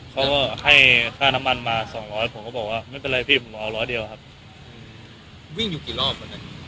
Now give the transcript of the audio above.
เขาให้ภาพน้ำมันมาสองร้อนผมก็บอกว่าไม่เป็นไรไม่ร้อนเดียวครับยังขี้เราไป